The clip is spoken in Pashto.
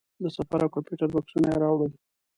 د سفر او کمپیوټر بکسونه یې راوړل.